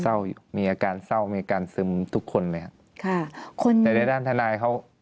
มีอาการเศร้ามีอาการซึมทุกคนไหมครับค่ะคนแต่ในด้านทนายเขา